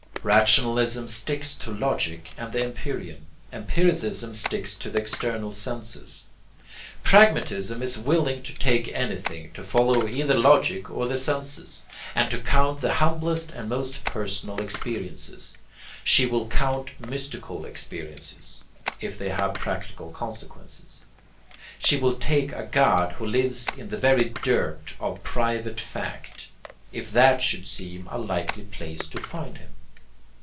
Rationalism sticks to logic and the empyrean. Empiricism sticks to the external senses. Pragmatism is willing to take anything, to follow either logic or the senses, and to count the humblest and most personal experiences. She will count mystical experiences if they have practical consequences. She will take a God who lives in the very dirt of private fact if that should seem a likely place to find him.